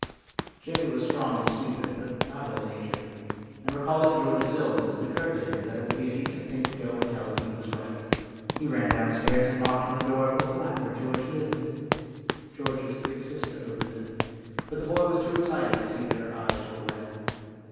Jimmy was strong and stupid, but not ill natured, and, recalling George's illness, it occurred to him that it would be a decent thing to go and tell him he was right. He ran downstairs and knocked on the door of FATE AND THE ARTIST 253 the flat where George lived. George's big sister opened it, but the boy was too excited to see that her eyes were wet.